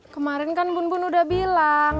kemarin kan bun bun udah bilang